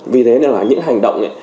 vì thế nên là những hành động